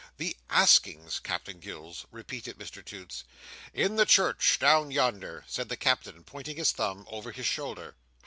"The askings, Captain Gills!" repeated Mr Toots. "In the church, down yonder," said the Captain, pointing his thumb over his shoulder.